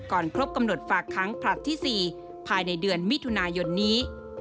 ครบกำหนดฝากค้างผลัดที่๔ภายในเดือนมิถุนายนนี้